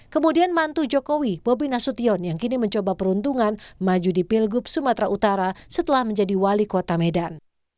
kemudian mantu jokowi bobi nasution yang kini mencoba peruntungan maju di pilgub sumatera utara setelah menjadi wali kota medan